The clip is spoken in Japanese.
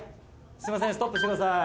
すいませんストップしてください。